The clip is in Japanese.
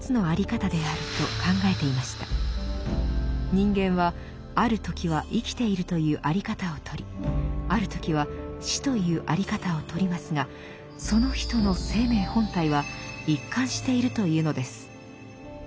人間はある時は生きているというあり方をとりある時は死というあり方をとりますがその人の「生命本体」は一貫しているというのです。